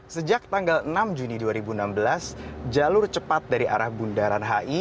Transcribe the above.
sejak tanggal enam juni dua ribu enam belas jalur cepat dari arah bundaran hi